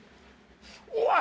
うわ！